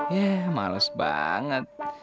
ya males banget